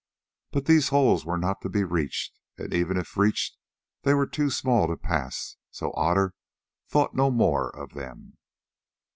But these holes were not to be reached, and even if reached they were too small to pass, so Otter thought no more of them.